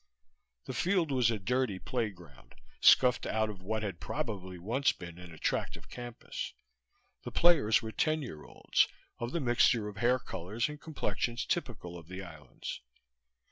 The field was a dirty playground, scuffed out of what had probably once been an attractive campus. The players were ten year olds, of the mixture of hair colors and complexions typical of the islands.